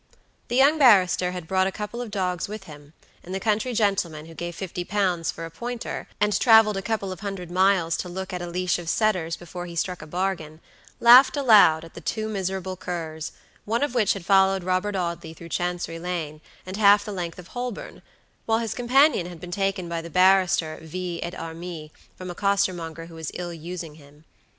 The young barrister had brought a couple of dogs with him; and the country gentleman who gave fifty pounds for a pointer; and traveled a couple of hundred miles to look at a leash of setters before he struck a bargain, laughed aloud at the two miserable curs, one of which had followed Robert Audley through Chancery Lane, and half the length of Holborn; while his companion had been taken by the barrister vi et armis from a coster monger who was ill using him.